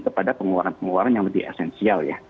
kepada pengeluaran pengeluaran yang lebih esensial ya